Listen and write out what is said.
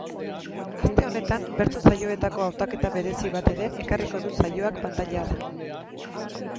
Aste honetan bertso saioetako hautaketa berezi bat ere ekarriko du saioak pantailara.